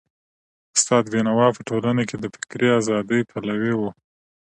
استاد بينوا په ټولنه کي د فکري ازادۍ پلوی و.